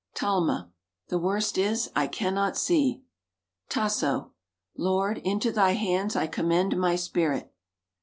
Talma. "The worst is, I cannot see." Tasso. "Lord, into Thy hands I commend my spirit!"